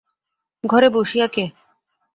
ঘরে বসিয়া কে!